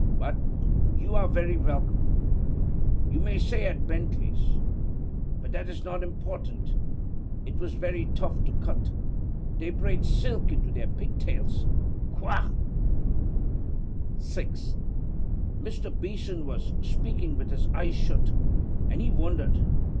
But you are very welcome. You may say at Bentley's but that is not important. It was very tough to cut; they braid silk into their pigtails. Kwaagh.' < 6 > Mr. Beeson was speaking with his eyes shut, and he wandered.